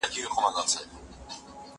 زه پرون اوبه پاکې کړې؟!